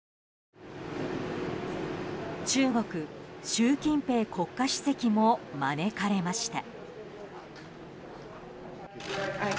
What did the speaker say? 中国、習近平国家主席も招かれました。